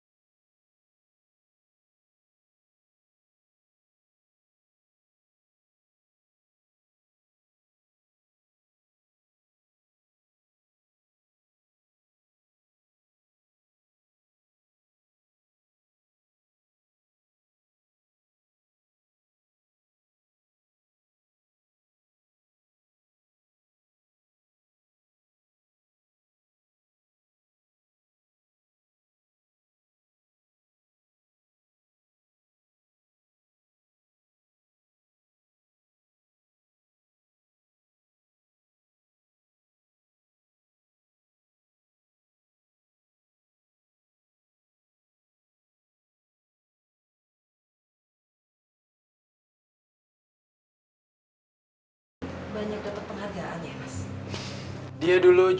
coba di erang aja dulu siap